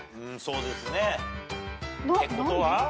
そうですね。ってことは？